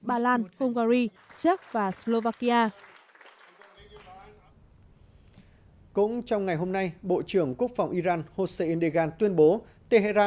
bộ trưởng quốc phòng iran hossein degan cho biết